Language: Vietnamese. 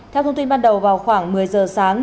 theo thông tin ban đầu vào khoảng một mươi giờ sáng